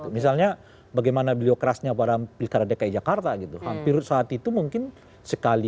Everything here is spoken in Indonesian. misalnya bagaimana beliokrasnya pada pilkara dki jakarta hampir saat itu mungkin sekali